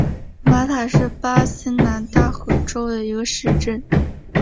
马塔是巴西南大河州的一个市镇。